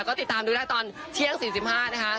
ก็ติดตามดูได้ตอนเที่ยง๔๕นะคะ